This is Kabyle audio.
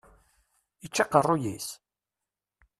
Ičča aqeṛṛuy-is?